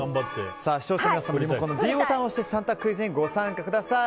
視聴者の皆さんもリモコンのｄボタンを押して３択クイズにご参加ください。